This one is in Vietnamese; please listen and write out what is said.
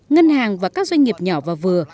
ngân hàng và các doanh nghiệp nhỏ và vừa